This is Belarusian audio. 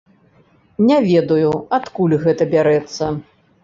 Не ведаю, адкуль гэта бярэцца.